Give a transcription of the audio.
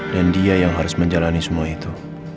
dan dia yang harus menjalani semua itu